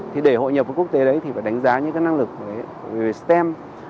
thì để hội nhập với quốc tế đấy thì phải đánh giá những cái năng lực về stem